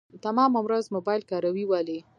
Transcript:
تمامه ورځ موبايل کاروي ولي .